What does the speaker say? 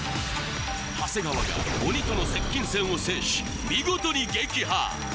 長谷川が鬼との接近戦を制し見事に撃破